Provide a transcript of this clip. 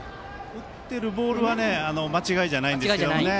打っているボールは間違いじゃないんですけどね。